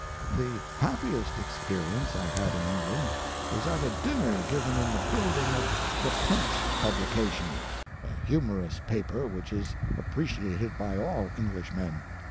The happiest experience I had in England was at a dinner given in the building of the Punch publication, a humorous paper which is appreciated by all Englishmen.